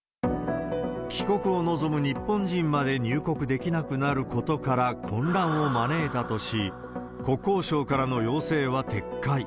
帰国を望む日本人まで入国できなくなることから混乱を招いたとし、国交省からの要請は撤回。